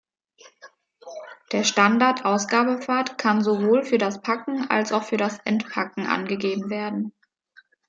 Der Standard-Ausgabepfad kann sowohl für das Packen als auch für das Entpacken angegeben werden.